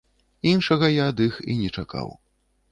Іншага я ад іх і не чакаў.